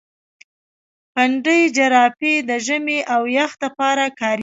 پنډي جراپي د ژمي او يخ د پاره کاريږي.